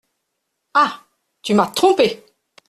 Ah ! tu m’as trompée !